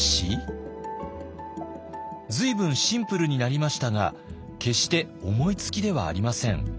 随分シンプルになりましたが決して思いつきではありません。